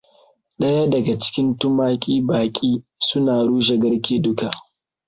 Daya daga cikin tumaki baƙi suna rushe garke duka.